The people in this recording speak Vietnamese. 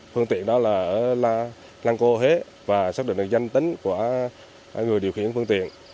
phương tiện đó là ở lăng cô huế và xác định được danh tính của người điều khiển phương tiện